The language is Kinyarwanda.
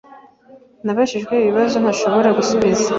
Nabajijwe ikibazo ntashobora gusubiza.